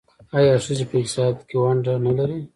آیا ښځې په اقتصاد کې ونډه نلري؟